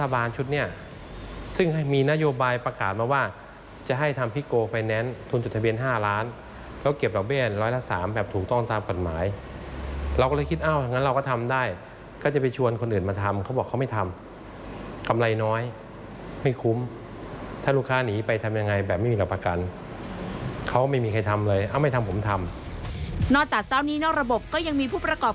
โดยเฉพาะอัตราดอกเบี้ยที่ถูกจำกัดไว้แค่๑๓๖ต่อปี